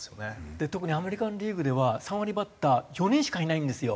特にアメリカンリーグでは３割バッター４人しかいないんですよ。